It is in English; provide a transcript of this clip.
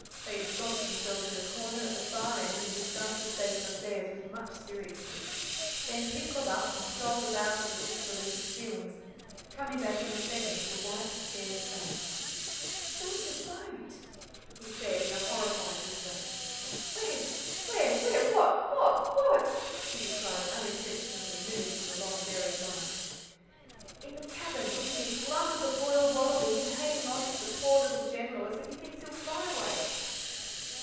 They ensconced themselves in a corner at the far end, and discussed the state of affairs with much seriousness. Then Pip got up and, strolled about a little to relieve his feelings, coming back in a second with a white, scared face. "He's on the boat," he said, in a horrified whisper. "Where where where? what what what?" Judy cried, unintentionally mimicking a long buried monarch. "In the cabin, looking as glum as a boiled wallaby, and hanging on to the poor little General as if he thinks he'll fly away."